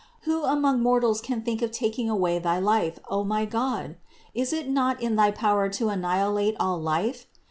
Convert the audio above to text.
Who among mortals can think of taking away thy life, O my God? Is it not in thy power to anni hilate all life?